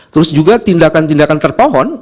terus juga tindakan tindakan terpohon